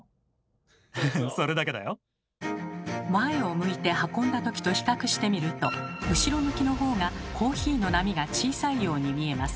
前を向いて運んだときと比較してみると後ろ向きのほうがコーヒーの波が小さいように見えます。